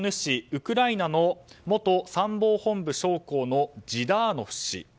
ウクライナの元参謀本部将校のジダーノフ氏。